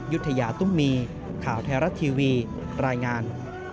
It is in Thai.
ยุธยาตุ้มมีข่าวไทยรัฐทีวีรายงาน